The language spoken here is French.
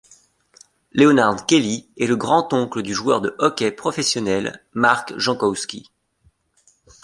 Leonard Kelly est le grand-oncle du joueur de hockey professionnel Mark Jankowski.